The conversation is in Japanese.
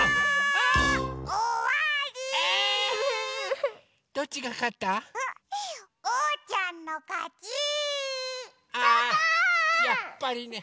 あぁやっぱりね。